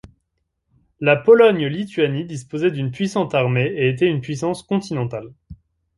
La Pologne-Lituanie disposait d'une puissante armée et était une puissance continentale.